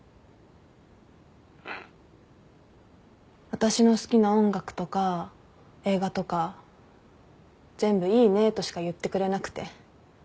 私の好きな音楽とか映画とか全部いいねとしか言ってくれなくて。